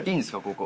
ここ。